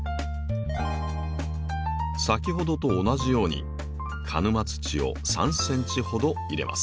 先ほどと同じように鹿沼土を３ｃｍほど入れます。